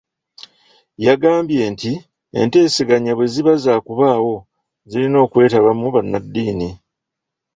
Yagambye nti enteeseganya bwe ziba zaakubaawo zirina okwetabamu bannaddiini.